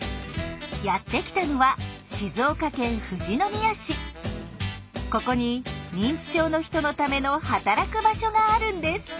やって来たのはここに認知症の人のための働く場所があるんです。